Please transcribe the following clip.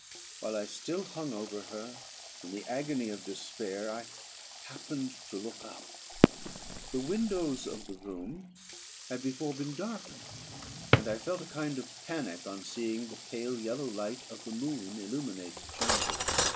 While I still hung over her in the agony of despair, I happened to look up. The windows of the room had before been darkened, and I felt a kind of panic on seeing the pale yellow light of the moon illuminate the chamber.